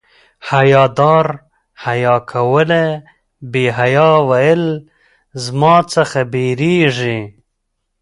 حیا دار حیا کوله بې حیا ویل زما څخه بيریږي